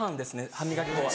歯磨き粉は。